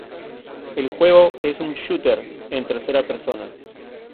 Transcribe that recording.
El juego es un Shooter en tercera persona.